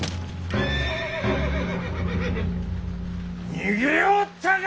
逃げおったか！